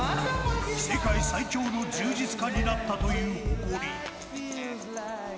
世界最強の柔術家になったという誇り。